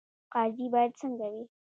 قاضي باید څنګه وي؟